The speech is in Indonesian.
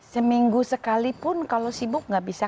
seminggu sekali pun kalau sibuk nggak bisa